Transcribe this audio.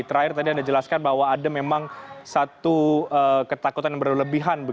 terakhir tadi anda jelaskan bahwa ada memang satu ketakutan yang berlebihan